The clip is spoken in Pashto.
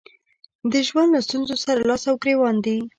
د ژوند له ستونزو سره لاس او ګرېوان دي.